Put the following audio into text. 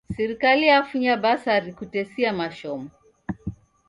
Sirikali yafunya basari Kutesia mashomo